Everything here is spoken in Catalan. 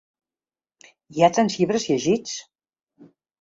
I a tants llibres llegits.